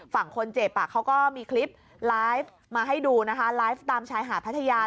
ฝั่งคนเจ็บเขาก็มีคลิปไลฟ์มาให้ดูนะคะไลฟ์ตามชายหาดพัทยา